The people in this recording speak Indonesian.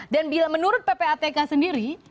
dan menurut ppatk sendiri